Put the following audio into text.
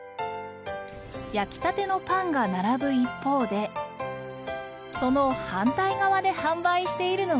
焼きたてのパンが並ぶ一方でその反対側で販売しているのは。